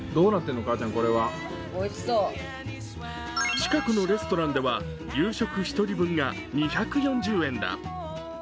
近くのレストランでは夕食１人分が２４０円だ。